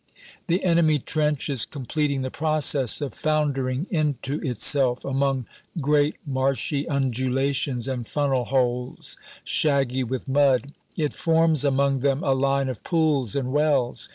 The enemy trench is completing the process of foundering into itself, among great marshy undulations and funnel holes, shaggy with mud: it forms among them a line of pools and wells.